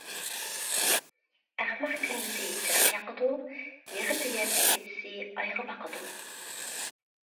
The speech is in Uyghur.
ئەخمەق كۈندۈزى چىراغ ياقىدۇ، يېغى تۈگەپ كېچىسى ئايغا باقىدۇ.